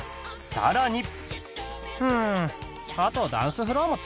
さらに